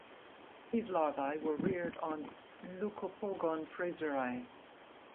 These larvae were reared on "Leucopogon fraseri".